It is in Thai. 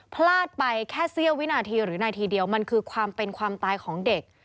พลาดไปแค่เสี้ยววินาทีหรือนาทีเดียวมันคือความเป็นความตายของเด็ก